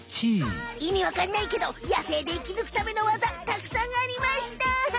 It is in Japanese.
いみわかんないけど野生で生きぬくためのわざたくさんありました！